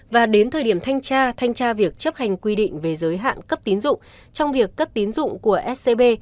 và đến thời điểm thanh tra thanh tra việc chấp hành quy định về giới hạn cấp tín dụng trong việc cấp tín dụng của scb